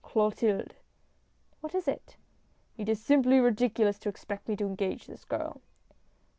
"Clotilde!" "What is it?" " It is simply ridiculous to expect me to engage this girl."